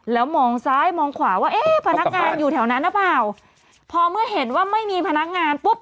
แล้วมองซ้ายมองขวาว่าเอ๊ะพนักงานอยู่แถวนั้นหรือเปล่าพอเมื่อเห็นว่าไม่มีพนักงานปุ๊บ